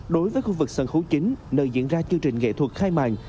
đối với khu vực sân khấu chính nơi diễn ra chương trình nghệ thuật khai màn